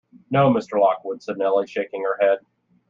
‘No, Mr. Lockwood,’ said Nelly, shaking her head.